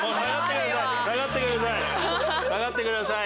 下がってください。